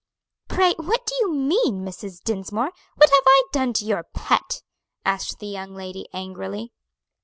"Pray, what do you mean, Mrs. Dinsmore? what have I done to your pet?" asked the young lady angrily.